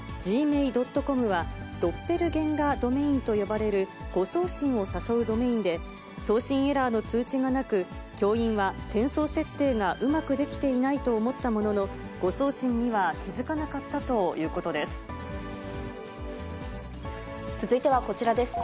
Ｇｍａｉ．ｃｏｍは、ドッペルゲンガー・ドメインと呼ばれる誤送信を誘うドメインで、送信エラーの通知がなく、教員は転送設定がうまくできていないと思ったものの、誤送信には続いてはこちらです。